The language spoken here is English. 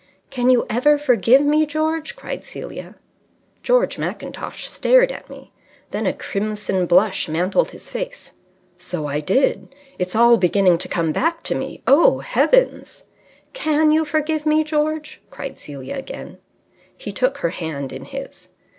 "Can you ever forgive me, George?" cried Celia. George Mackintosh stared at me. Then a crimson blush mantled his face. "So I did! It's all beginning to come back to me. Oh, heavens!" "Can you forgive me, George?" cried Celia again. He took her hand in his.